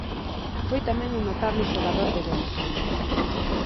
Foi tamén un notable xogador de béisbol.